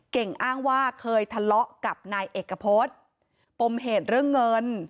เก่งอ้างว่าเคยทะเลาะกับนายเอกพฤษปมเหตุเรื่องเงิน